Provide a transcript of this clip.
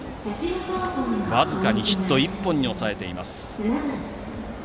僅かにヒット１本に抑えています。